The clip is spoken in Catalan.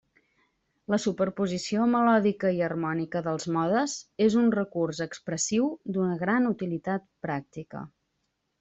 La superposició melòdica i harmònica dels modes és un recurs expressiu d'una gran utilitat pràctica.